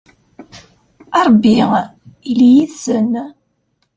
a rebbi ili yid-sen